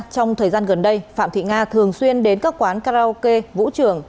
trong thời gian gần đây phạm thị nga thường xuyên đến các quán karaoke vũ trường